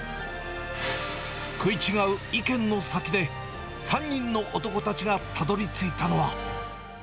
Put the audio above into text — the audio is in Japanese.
食い違う意見の先で、３人の男たちがたどりついたのは。